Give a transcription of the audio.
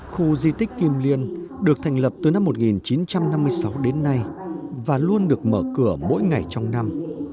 khu di tích kim liên được thành lập từ năm một nghìn chín trăm năm mươi sáu đến nay và luôn được mở cửa mỗi ngày trong năm